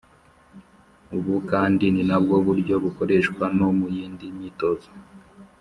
Ubu kandi ni nabwo buryo bukoreshwa no mu yindi myitozo